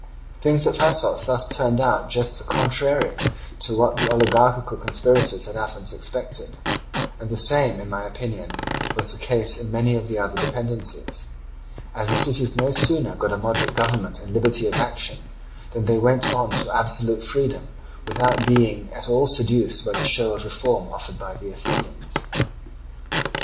Things at Thasos thus turned out just the contrary to what the oligarchical conspirators at Athens expected; and the same in my opinion was the case in many of the other dependencies; as the cities no sooner got a moderate government and liberty of action, than they went on to absolute freedom without being at all seduced by the show of reform offered by the Athenians.